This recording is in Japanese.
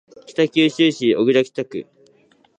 北九州市小倉北区